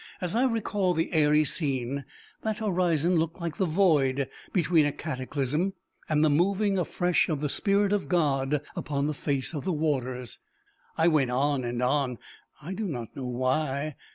As I recall the airy scene, that horizon looks like the void between a cataclysm and the moving afresh of the spirit of God upon the face of the waters. I went on and on, I do not know why.